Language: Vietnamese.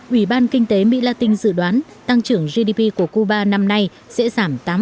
ủy ban kinh tế mỹ la tinh dự đoán tăng trưởng gdp của cuba năm nay sẽ giảm tám